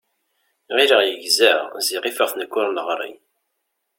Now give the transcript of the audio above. Ɣileɣ yegza, ziɣ ifeɣ-t nekk ur neɣṛi.